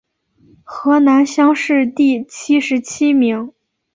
河南乡试第七十七名。